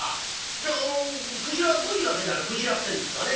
じゃああのくじらはどういう訳であれくじらってんですかねえ？」。